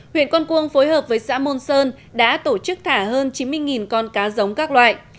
huyện con cuông phối hợp với xã môn sơn đã tổ chức thả hơn chín mươi con cá giống các loại